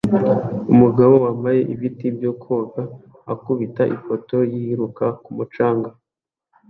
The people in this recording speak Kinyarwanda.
Umugabo wambaye ibiti byo koga akubita ifoto yiruka ku mucanga